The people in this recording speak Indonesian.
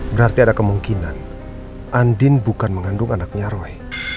berarti ada kemungkinan andin bukan mengandung anaknya roy